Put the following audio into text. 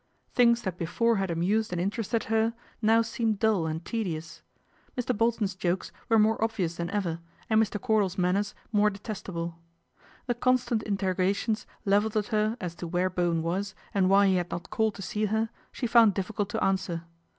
Things that before had 232 PATRICIA BRENT, SPINSTER amused and interested her now seemed dull and tedious. Mr. Bolton's jokes were more obvious than ever, and Mr. Cordal's manners more detest able. The constant interrogations levelled at her as to where Bowen was, and why he had not called to see her, she found difficult to answer.